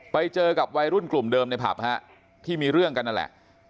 ไปเจอกับวัยรุ่นกลุ่มเดิมในผับฮะที่มีเรื่องกันนั่นแหละ